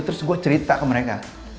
terus gue cerita ke mereka